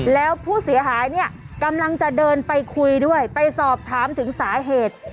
แล้วผู้เสียหายเนี่ยกำลังจะเดินไปคุยด้วยไปสอบถามถึงสาเหตุ